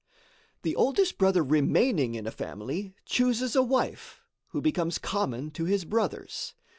The oldest brother remaining in a family chooses a wife, who becomes common to his brothers.